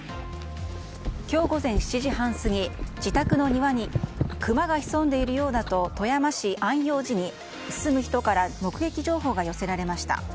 今日午前７時半過ぎ自宅の庭にクマが潜んでいるようだと富山県安養寺に住む人から目撃情報が寄せられました。